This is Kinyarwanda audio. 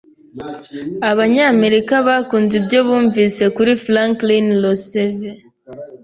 Abanyamerika bakunze ibyo bumvise kuri Franklin Roosevelt.